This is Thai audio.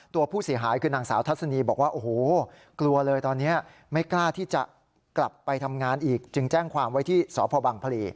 ตัวผู้เสียหายคือนางสาวทัศนีบอกว่าโอ้โหกลัวเลยตอนนี้ไม่กล้าที่จะกลับไปทำงานอีกจึงแจ้งความไว้ที่สพบังพลี